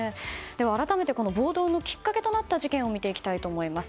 改めて暴動のきっかけになった事件を見ていきます。